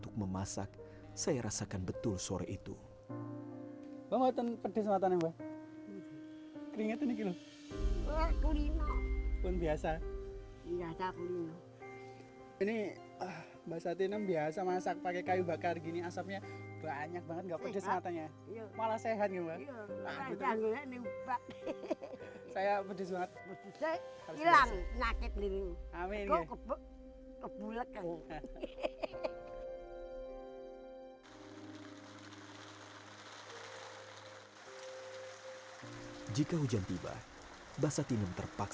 kami ingin membeli kompor yang lebih baik